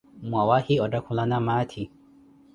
Mwawahi otthakhulana maathi?